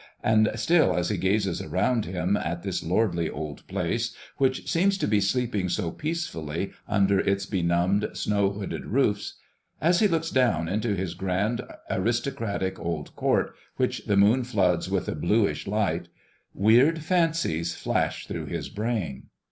and still as he gazes around him at this lordly old place, which seems to be sleeping so peacefully under its benumbed, snow hooded roofs, as he looks down into this grand, aristocratic old court which the moon floods with a bluish light, weird fancies flash through his brain.